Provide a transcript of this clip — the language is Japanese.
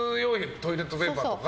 トイレットペーパーとか。